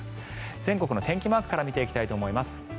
全国の天気マークから見ていきたいと思います。